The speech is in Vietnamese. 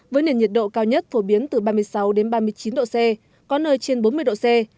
với nền nhiệt độ cao nhất phổ biến từ ba mươi sáu đến ba mươi chín độ c có nơi trên bốn mươi độ c